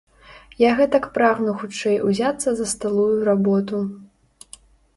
Я гэтак прагну хутчэй узяцца за сталую работу.